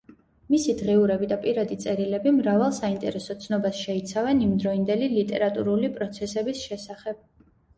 მისი დღიურები და პირადი წერილები მრავალ საინტერესო ცნობას შეიცავენ იმდროინდელი ლიტერატურული პროცესების შესახებ.